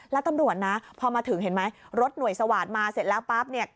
แล้วตำรวจนะพอมาถึงเห็นไหมรถหน่วยสวาสตร์มาเสร็จแล้วปั๊บเนี่ย